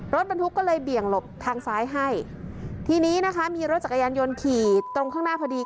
รถบรรทุกก็เลยเบี่ยงหลบทางซ้ายให้ทีนี้นะคะมีรถจักรยานยนต์ขี่ตรงข้างหน้าพอดี